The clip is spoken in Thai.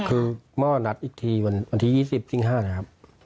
คือหม้อนัดอีกทีวันที่๒๐สิง๕นะครับ